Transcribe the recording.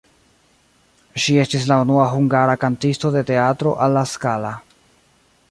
Ŝi estis la unua hungara kantisto de Teatro alla Scala.